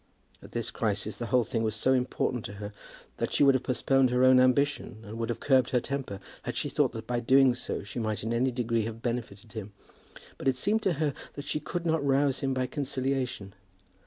At this crisis the whole thing was so important to her that she would have postponed her own ambition and would have curbed her temper had she thought that by doing so she might in any degree have benefited him. But it seemed to her that she could not rouse him by conciliation.